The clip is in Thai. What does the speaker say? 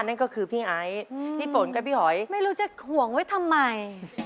นั่นก็คือพี่ไอซ์พี่ฝนกับพี่หอยไม่รู้จะห่วงไว้ทำไม